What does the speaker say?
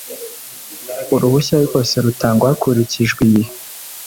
uruhushya rwose rutangwa hakurikijwe iyi